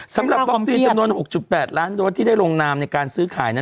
สำหรับวัคซีนจำนวน๖๘ล้านโดสที่ได้ลงนามในการซื้อขายนั้น